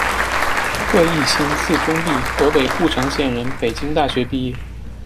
贺翊新，字仲弼，河北故城县人，北京大学毕业。